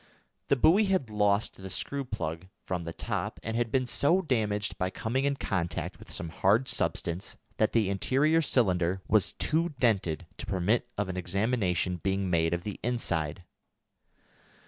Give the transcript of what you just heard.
The buoy had lost the screw plug from the top, and had been so damaged by coming in contact with some hard substance that the interior cylinder was too dented to permit of an examination being made of the inside.